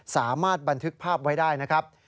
สามารถบันทึกภาพไว้ได้นะครับ